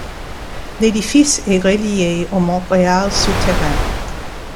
L'édifice est relié au Montréal souterrain.